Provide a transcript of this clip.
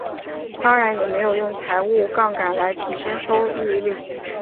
当然也没有用财务杠杆来提升收益率。